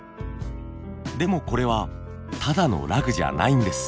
でもこれはただのラグじゃないんです。